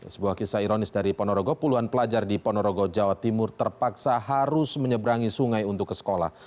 sebuah kisah ironis dari ponorogo puluhan pelajar di ponorogo jawa timur terpaksa harus menyeberangi sungai untuk ke sekolah